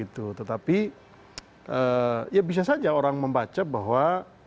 tetapi ya bisa saja orang membaca bahwa